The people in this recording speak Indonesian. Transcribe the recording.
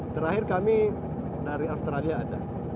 terakhir kami dari australia ada